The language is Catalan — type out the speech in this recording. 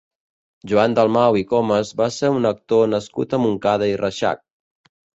Joan Dalmau i Comas va ser un actor nascut a Montcada i Reixac.